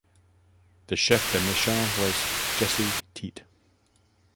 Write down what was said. The chef de mission was Jesse Teat.